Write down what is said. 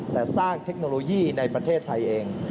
แต่สร้างเทคโนโลยีในประเทศไทยเอง